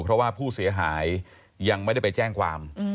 เพราะว่าผู้เสียหายยังไม่ได้ไปแจ้งความ